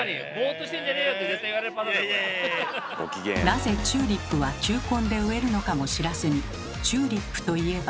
なぜチューリップは球根で植えるのかも知らずにチューリップといえば。